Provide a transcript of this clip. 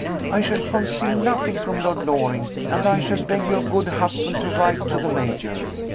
"I shall conceal nothing from Lord Loring, and I shall beg your good husband to write to the Major.